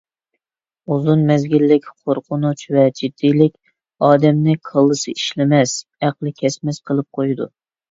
ئوزۇن مەزگىللىك قورقۇنچ ۋە جىددىيلىك ئادەمنى كاللىسى ئىشلىمەس، ئەقلى كەسمەس قىلىپ قويىدۇ.